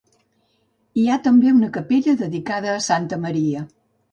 Hi ha també una capella dedicada a Santa Maria.